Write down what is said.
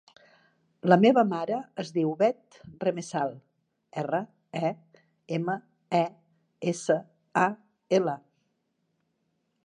La meva mare es diu Beth Remesal: erra, e, ema, e, essa, a, ela.